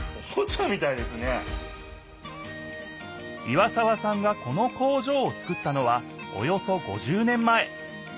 岩沢さんがこの工場をつくったのはおよそ５０年前。